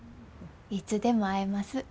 いつでも会えます。